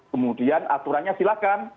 kemudian aturannya silakan